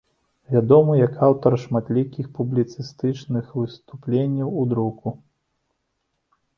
Вядомы як аўтар шматлікіх публіцыстычных выступленняў у друку.